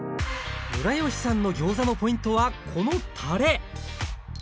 ムラヨシさんのギョーザのポイントはこのタレ！